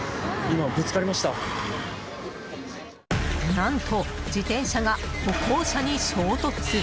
何と自転車が歩行者に衝突。